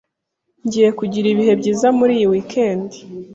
Ngiye kugira ibihe byiza muri iyi weekend.